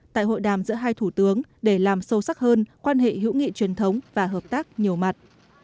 tại hội đàm giữa hai thủ tướng để làm sâu sắc hơn quan hệ hữu nghị truyền thống và hợp tác nhiều mặt